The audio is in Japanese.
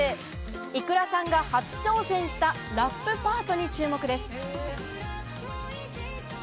ｉｋｕｒａさんが初挑戦したラップパートに注目です。